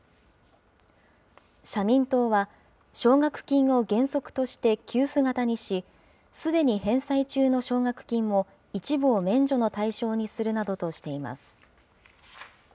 社民党は、奨学金を原則として給付型にし、すでに返済中の奨学金も一部を免除の対象にするなどとしています。